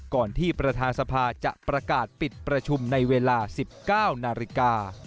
ก่อนที่ประธานสภาจะประกาศปิดประชุมในเวลา๑๙นาฬิกา